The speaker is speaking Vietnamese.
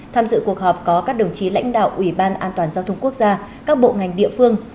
tham dự cuộc họp có các đồng chí lãnh đạo ủy ban an toàn giao thông quốc gia các bộ ngành địa phương